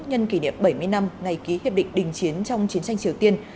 nhân kỷ niệm bảy mươi năm ngày ký hiệp định đình chiến trong chiến tranh triều tiên